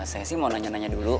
saya sih mau nanya nanya dulu